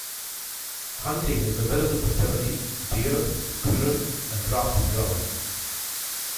Hunting is available for turkey, deer, squirrel, and ruffed grouse.